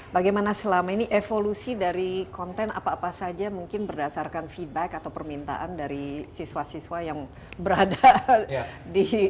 bagaimana selama ini evolusi dari konten apa apa saja mungkin berdasarkan feedback atau permintaan dari siswa siswa yang berada di